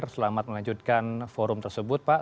selamat melanjutkan forum tersebut pak